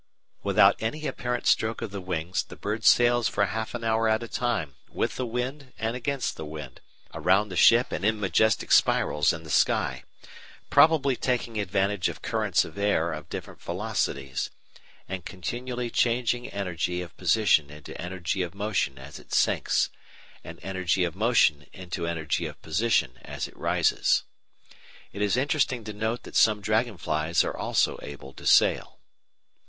Without any apparent stroke of the wings, the bird sails for half an hour at a time with the wind and against the wind, around the ship and in majestic spirals in the sky, probably taking advantage of currents of air of different velocities, and continually changing energy of position into energy of motion as it sinks, and energy of motion into energy of position as it rises. It is interesting to know that some dragon flies are also able to "sail."